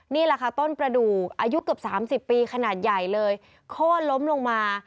นี่แหละค่ะต้นประดูกอายุเกือบ๓๐ปีขนาดใหญ่เลยโค้นล้มลงมา